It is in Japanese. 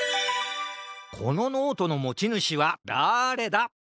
このノートのもちぬしはだれだ？